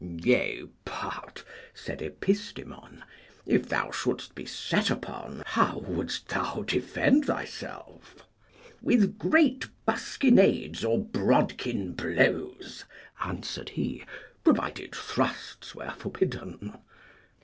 Yea but, said Epistemon, if thou shouldst be set upon, how wouldst thou defend thyself? With great buskinades or brodkin blows, answered he, provided thrusts were forbidden.